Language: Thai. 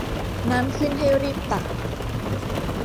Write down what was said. น้ำขึ้นให้รีบตัก